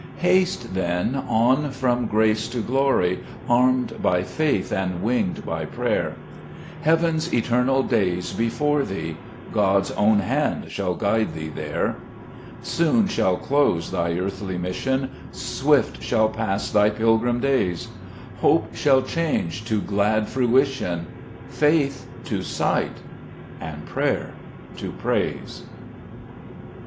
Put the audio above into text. Haste, then, on from grace to glory, Armed by faith, and winged by prayer ; Heaven's eternal day's before thee, God's own hand shall guide thee there. Soon shall close thy earthly mission ; Swift shall pass thy pilgrim days ; Hope soon change to glad fruition, Faith to sight, and prayer to praise.